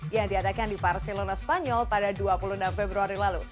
yang diadakan di barcelona spanyol pada dua puluh enam februari lalu